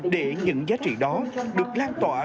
để những giá trị đó được lan tỏa